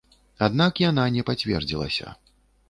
Аднак яна не пацвердзілася.